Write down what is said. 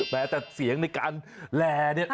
แม้แต่เสียงในการแลเนี่ย